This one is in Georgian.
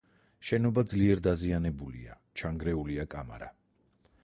შენობა ძლიერ დაზიანებულია, ჩანგრეულია კამარა.